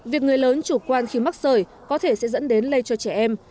việc người lớn chủ quan khi mắc sởi có thể sẽ dẫn đến lây cho trẻ em